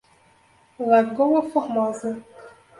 Lagoa Formosa